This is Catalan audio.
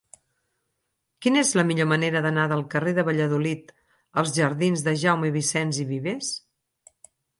Quina és la millor manera d'anar del carrer de Valladolid als jardins de Jaume Vicens i Vives?